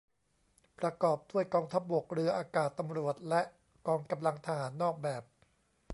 ประกอบด้วยกองทัพบก เรือ อากาศ ตำรวจ และกองกำลังทหารนอกแบบ